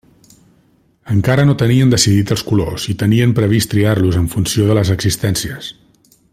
Encara no tenien decidit els colors i tenien previst triar-los en funció de les existències.